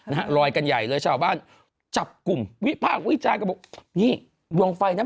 นะฮะลอยกันใหญ่เลยชาวบ้านจับกลุ่มวิพากษ์วิจารณ์ก็บอกนี่ดวงไฟนั้น